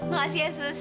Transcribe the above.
makasih ya sus